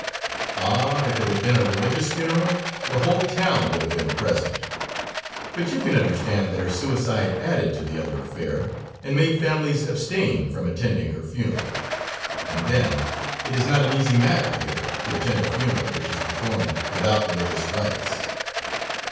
Ah! If it had been a religious funeral, the whole town would have been present, but you can understand that her suicide added to the other affair, and made families abstain from attending her funeral; and then, it is not an easy matter, here, to attend a funeral which is performed without religious rites."